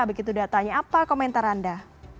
begitu datanya apa komentar anda